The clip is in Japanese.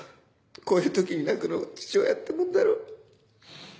こういう時に泣くのが父親ってもんだろ。